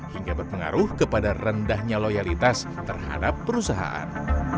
hingga berpengaruh kepada rendahnya loyalitas terhadap perusahaan